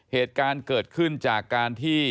เหตุการณ์เกิดขึ้นจากการที่